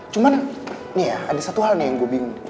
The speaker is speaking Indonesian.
cuman nih ya ada satu hal nih yang googling